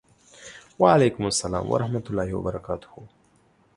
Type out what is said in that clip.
وعلیکم سلام ورحمة الله وبرکاته